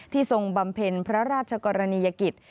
ทรงบำเพ็ญพระราชกรณียกิจ